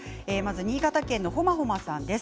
新潟県の方からです。